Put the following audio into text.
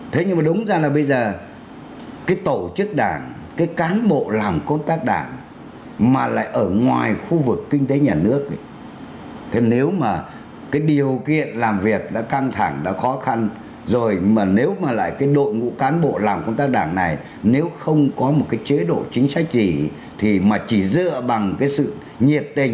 thế nhưng mà đúng ra là bây giờ cái tổ chức đảng cái cán bộ làm công tác đảng mà lại ở ngoài khu vực kinh tế nhà nước thì nếu mà cái điều kiện làm việc đã căng thẳng đã khó khăn rồi mà nếu mà lại cái đội ngũ cán bộ làm công tác đảng này nếu không có một cái chế độ chính sách gì thì mà chỉ dựa bằng cái sự nhiệt tình